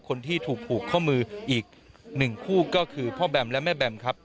คนที่ถูกผูกข้อมืออีกหนึ่งคู่ก็คือพ่อแบมและแม่แบมครับ